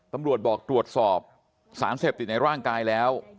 ตำรวจบอกตรวจสอบสารเสพติดในร่างกายแล้ว